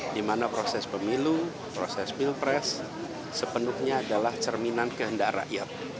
di mana proses pemilu proses pilpres sepenuhnya adalah cerminan kehendak rakyat